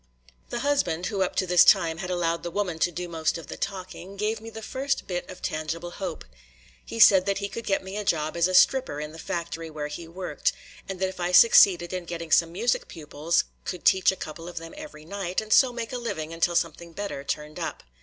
The husband, who up to this time had allowed the woman to do most of the talking, gave me the first bit of tangible hope; he said that he could get me a job as a "stripper" in the factory where he worked, and that if I succeeded in getting some music pupils, I could teach a couple of them every night, and so make a living until something better turned up.